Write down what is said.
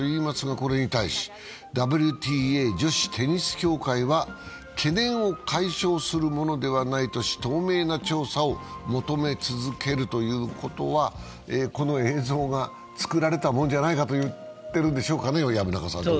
これに対しＷＴＡ＝女子テニス協会は懸念を解消するものではないとし、透明な調査を求め続けるということは、この映像がつくられたもんじゃないかと言っているんでしょうか。